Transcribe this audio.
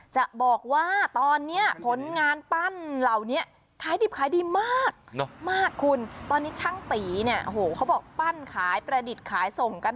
จะบอกว่าตอนนี้ผลงานปั้นเหล่านี้ขายดิบขายดีมากมากคุณตอนนี้ช่างตีเนี่ยโอ้โหเขาบอกปั้นขายประดิษฐ์ขายส่งกัน